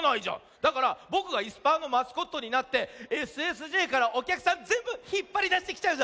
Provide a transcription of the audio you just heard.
だからぼくがいすパーのマスコットになってＳＳＪからおきゃくさんぜんぶひっぱりだしてきちゃうぞ。